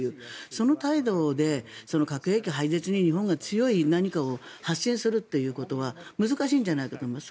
その態度で核兵器廃絶に日本が強い何かを発信するということは難しいんじゃないかと思います。